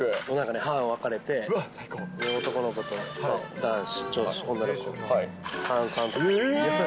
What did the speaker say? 班分かれて、男の子と、男子、女子、女の子、３・３。